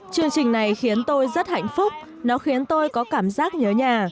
chương trình này khiến tôi rất hạnh phúc nó khiến tôi có cảm giác nhớ nhà